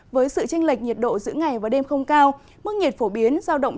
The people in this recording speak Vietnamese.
với sự tranh lệch nhiệt độ giữa ngày và đêm không cao mức nhiệt phổ biến giao động